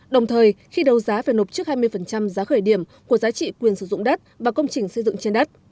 đồng thời khi đấu giá phải nộp trước hai mươi giá khởi điểm của giá trị quyền sử dụng đất và công trình xây dựng trên đất